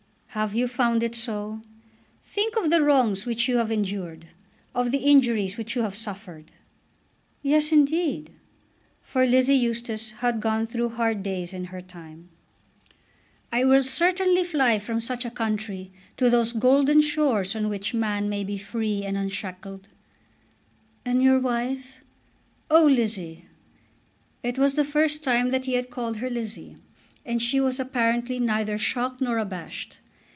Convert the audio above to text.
"Have you found it so? Think of the wrongs which you have endured; of the injuries which you have suffered." "Yes, indeed." For Lizzie Eustace had gone through hard days in her time. "I certainly will fly from such a country to those golden shores on which man may be free and unshackled." "And your wife?" "Oh, Lizzie!" It was the first time that he had called her Lizzie, and she was apparently neither shocked nor abashed.